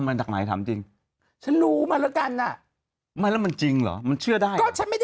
ส่วนใหนหนูลมแไม่นะจริงเชื่อได้